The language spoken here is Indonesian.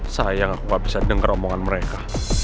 sayang aku gak bisa dengar omongan mereka